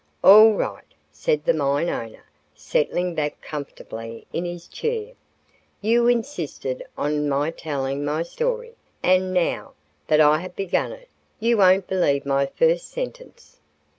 "All right," said the mine owner, settling back comfortably in his chair. "You insisted on my telling my story, and now that I have begun it, you won't believe my first sentence."